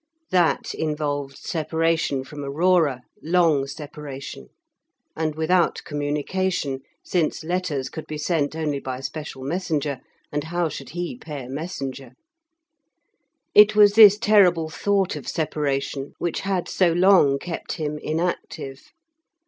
That involved separation from Aurora, long separation, and without communication, since letters could be sent only by special messenger, and how should he pay a messenger? It was this terrible thought of separation which had so long kept him inactive.